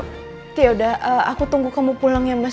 oke udah aku tunggu kamu pulang ya mas